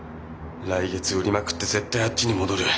来月売りまくって絶対あっちに戻る。